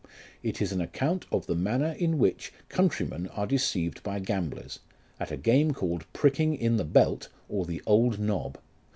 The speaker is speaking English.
It is an account of the manner in which countrymen are deceived by gamblers, at a game called Pricking in the Belt, or the old Nob.